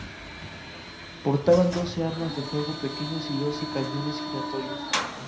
Portaban doce armas de fuego pequeñas y doce cañones giratorios.